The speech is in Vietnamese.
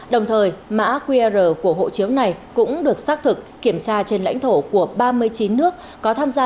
đồng thời mã qr của hộ chiếu này cũng được xác thực kiểm tra trên lãnh thổ của ba mươi chín nước có tham gia